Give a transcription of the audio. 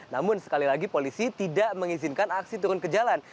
namun sekali lagi polisi tidak mengizinkan aksi turun ke jalan